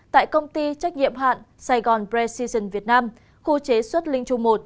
tại công ty trách nhiệm hạn sài gòn pecison việt nam khu chế xuất linh trung một